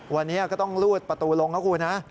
วันนี้ก็ต้องลูดประตูลงนะครับคุณ